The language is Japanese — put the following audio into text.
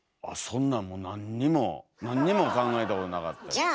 あっそんなんもう何にも何にも考えたことなかったです。